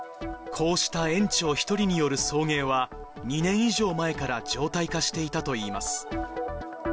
こうした園長１人による送迎は、２年以上前から常態化していたといいます。